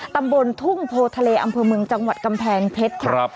ตำบลทุ่งโพทะเลอำเภอเมืองจังหวัดกำแพงเพชรค่ะ